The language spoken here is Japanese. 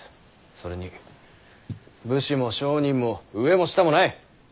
それに武士も商人も上も下もない。